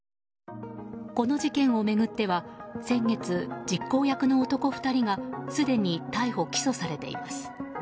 この事件を巡っては先月実行役の男２人がすでに逮捕・起訴されています。